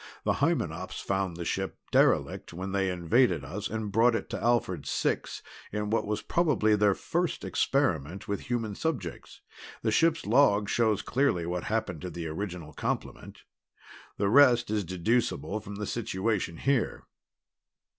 The Hymenops found the ship derelict when they invaded us, and brought it to Alphard Six in what was probably their first experiment with human subjects. The ship's log shows clearly what happened to the original complement. The rest is deducible from the situation here."